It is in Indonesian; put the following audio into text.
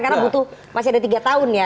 karena butuh masih ada tiga tahun ya